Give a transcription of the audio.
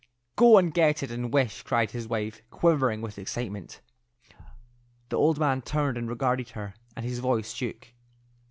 "Go and get it and wish," cried his wife, quivering with excitement. The old man turned and regarded her, and his voice shook.